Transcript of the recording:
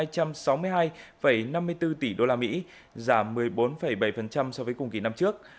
hai trăm sáu mươi hai năm mươi bốn tỷ usd giảm một mươi bốn bảy so với cùng kỳ năm trước